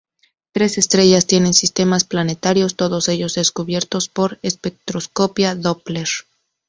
Tres estrellas tienen sistemas planetarios, todos ellos descubiertos por espectroscopia Doppler.